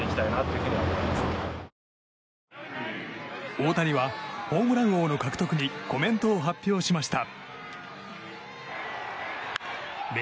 大谷はホームラン王の獲得にコメントを発表しました。